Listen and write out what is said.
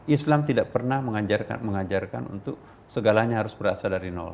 islam tidak pernah mengajarkan untuk segalanya harus berasal dari nol